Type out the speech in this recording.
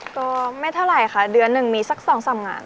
ก็ไม่เท่าไรค่ะเดือนหนึ่งมีสักสองสามงาน